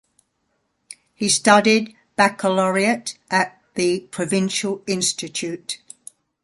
He studied Baccalaureate at the Provincial Institute.